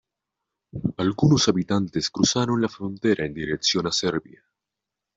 Algunos habitantes cruzaron la frontera en dirección a Serbia.